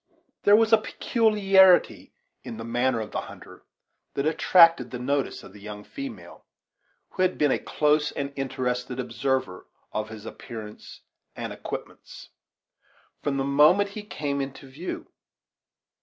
There was a peculiarity in the manner of the hunter that attracted the notice of the young female, who had been a close and interested observer of his appearance and equipments, from the moment he came into view.